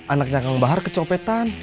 anaknya kang bahar kecopetan